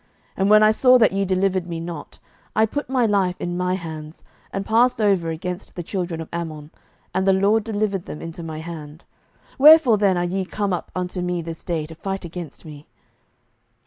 07:012:003 And when I saw that ye delivered me not, I put my life in my hands, and passed over against the children of Ammon, and the LORD delivered them into my hand: wherefore then are ye come up unto me this day, to fight against me?